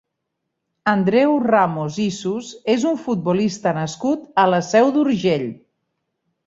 Andreu Ramos Isus és un futbolista nascut a la Seu d'Urgell.